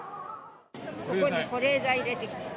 ここに保冷剤入れてきた。